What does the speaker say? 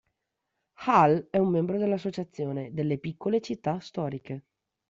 Hall è un membro dell'associazione delle piccole città storiche.